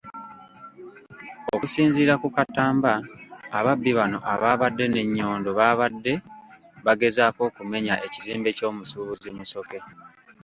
Okusinziira ku Katamba, ababbi bano abaabadde n'ennyondo baabadde bagezaako okumenya ekizimbe ky'omusuubuzi Musoke.